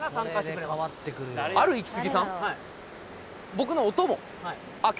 僕のお供？